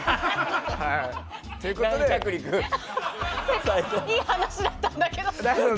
いい話だったんだけど。